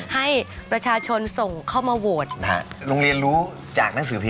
ให้ประชาชนส่งเข้ามาโหวตนะฮะโรงเรียนรู้จากหนังสือพิพ